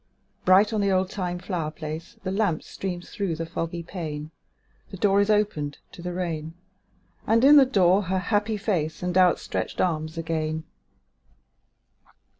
Bright on the oldtime flower place The lamp streams through the foggy pane; The door is opened to the rain: And in the door her happy face And outstretched arms again.